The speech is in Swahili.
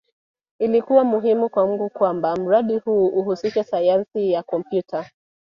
Ilikuwa muhimu kwangu kwamba mradi huu uhusishe Sayansi ya Kompyuta